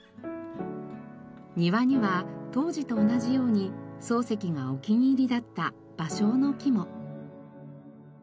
庭には当時と同じように漱石がお気に入りだったバショウの木も。